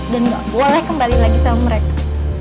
dan gak boleh kembali lagi sama mereka